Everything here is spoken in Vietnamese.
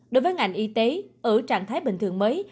đối với ngành y tế ở trạng thái bình thường mới